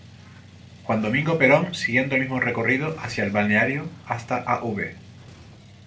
Juan Domingo Perón, siguiendo el mismo recorrido hacia el Balneario hasta Av.